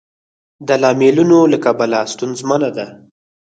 د لاملونو له کبله ستونزمنه ده.